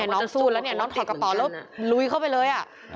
น้องสู้แล้วเนี่ยน้องถอดกระเป๋าแล้วลุยเข้าไปเลย